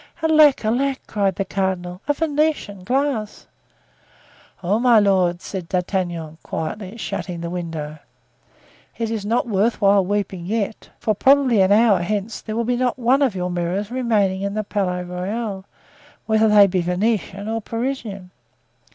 "Alack! alack!" cried the cardinal, "a Venetian glass!" "Oh, my lord," said D'Artagnan, quietly shutting the window, "it is not worth while weeping yet, for probably an hour hence there will not be one of your mirrors remaining in the Palais Royal, whether they be Venetian or Parisian."